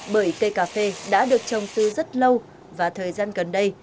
bởi cây cà phê đã được trồng từ rất lâu và thời gian gần đây